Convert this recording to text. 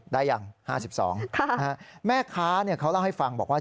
ได้ยัง๕๒แม่ค้าเขาเล่าให้ฟังบอกว่า